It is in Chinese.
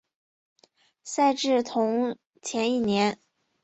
赛制同前一年。